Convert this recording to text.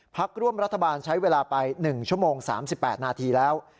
พักร่วมรัฐบาลใช้เวลาไป๑ชั่วโมง๓๘นาทีแล้ว